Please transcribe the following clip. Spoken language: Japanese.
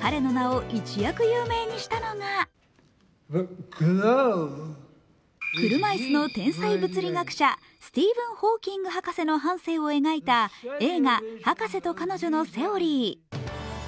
彼の名を一躍有名にしたのが車いすの天才物理学者スティーブン・ホーキング博士の半生を描いた映画「博士と彼女のセオリー」。